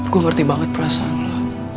gue ngerti banget perasaan lo